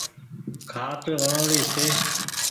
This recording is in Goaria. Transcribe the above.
کآٽ وڻوڻي ڇي۔